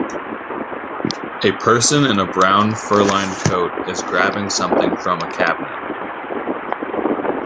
A person in a brown, furlined coat is grabbing something from a cabinet.